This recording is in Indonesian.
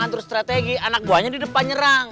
atur strategi anak buahnya di depan nyerang